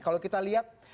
kalau kita lihat